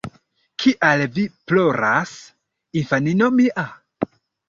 Kial vi ploras, infanino mia?